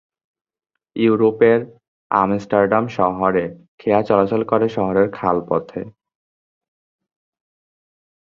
ইউরোপের আমস্টারডাম শহরে খেয়া চলাচল করে শহরের খাল পথে।